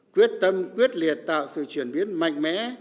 quyết tâm quyết liệt tạo sự chuyển biến mạnh mẽ